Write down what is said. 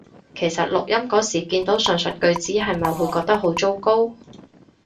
其實錄音嗰時見到上述句子係咪會覺得好糟糕？